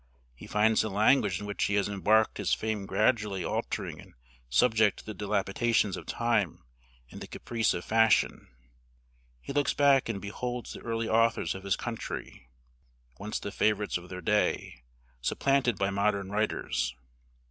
He finds the language in which he has embarked his fame gradually altering and subject to the dilapidations of time and the caprice of fashion. He looks back and beholds the early authors of his country, once the favorites of their day, supplanted by modern writers.